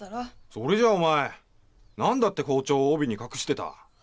それじゃお前何だって包丁を帯に隠してた？